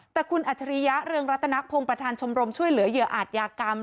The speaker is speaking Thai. แต่คุณอัจฉริยะเรืองรัตนพงศ์ประธานชมรมช่วยเหลือเหยื่ออาจยากรรม